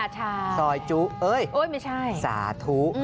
อ่าใช่อุ๊ยสาธุเอ๊ยสาธุ